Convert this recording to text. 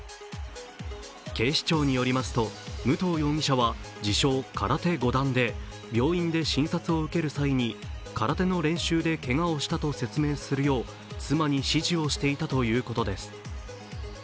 警視庁によりますと武藤容疑者は自称空手五段で病院で診察を受ける際に、空手の練習でけがをしたと説明するよう妻に指示をしていたということです。